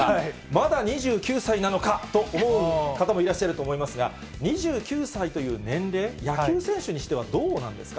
まだ２９歳なのかと思う方もいらっしゃると思いますが、２９歳という年齢、野球選手にしてはどうなんですか。